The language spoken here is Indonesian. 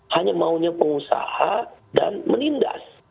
hanya maunya pengusaha dan menindas